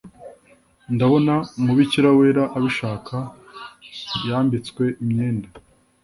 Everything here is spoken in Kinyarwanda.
ndabona umubikira wera abishaka yambitswe imyenda